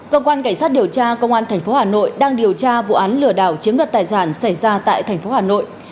công an cảnh sát điều tra công an tp hà nội đang điều tra vụ án lừa đảo chiếm đoạt tài giản xảy ra tại tp hà nội